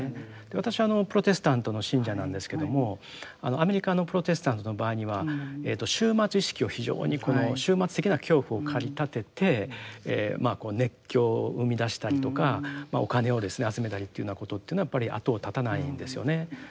私はプロテスタントの信者なんですけどもアメリカのプロテスタントの場合には終末意識を非常にこの終末的な恐怖を駆り立てて熱狂を生み出したりとかお金を集めたりというようなことというのはやっぱり後を絶たないんですよね。